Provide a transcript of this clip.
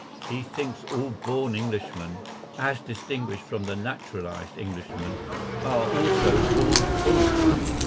He thinks all born Englishmen, as distinguished from the naturalised Englishmen, are also born fools.